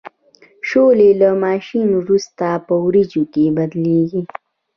شولې له ماشین وروسته په وریجو بدلیږي.